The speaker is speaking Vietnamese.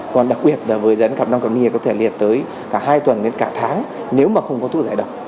còn đặc biệt là với rắn cầm năng cầm ni có thể liệt tới cả hai tuần đến cả tháng nếu mà không có thuốc giải độc